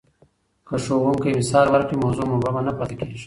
که ښوونکی مثال ورکړي، موضوع مبهمه نه پاتې کېږي.